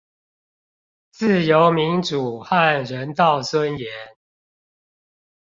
自由民主和人道尊嚴